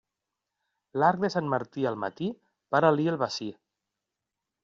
L'arc de Sant Martí al matí, para-li el bací.